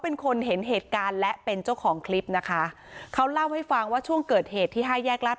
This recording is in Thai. โอ้โฮโอ้โฮโอ้โฮโอ้โฮโอ้โฮโอ้โฮโอ้โฮโอ้โฮ